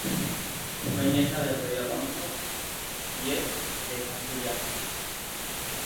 Fue nieta del rey Alfonso X de Castilla.